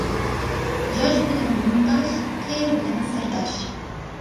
ياش بىلەن مۇڭداش قېرى بىلەن سىرداش.